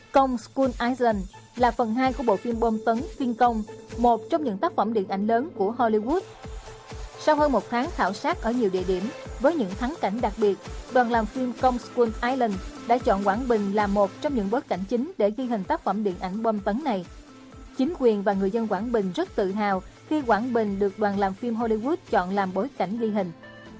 công school island là phần hai của bộ phim bom tấn phiên công một trong những tác phẩm điện ảnh lớn của hollywood sau hơn một tháng thảo sát ở nhiều địa điểm với những thắng cảnh đặc biệt đoàn làm phim công school island đã chọn quảng bình là một trong những bối cảnh chính để ghi hình tác phẩm điện ảnh bom tấn này chính quyền và người dân quảng bình rất tự hào khi quảng bình được đoàn làm phim hollywood chọn làm bối cảnh ghi hình